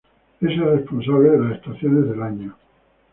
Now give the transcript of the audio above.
Es el responsable de las estaciones del año.